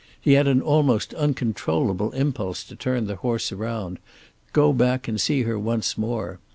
He had an almost uncontrollable impulse to turn the horse around, go back and see her once more.